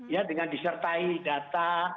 ya dengan disertai data